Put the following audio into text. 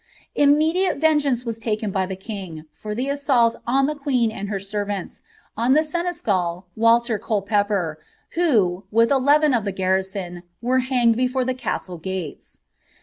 Immediate vengeance was taken by the king, for the naitanli am tt queen and her servants, on the seneschal, Walter Colepeppot, vIm, wtt eleven of the garrison, were hanged before the castle gataa.